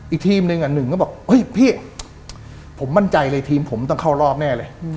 อีกทีมหนึ่งหนึ่งก็บอกเฮ้ยพี่ผมมั่นใจเลยทีมผมต้องเข้ารอบแน่เลย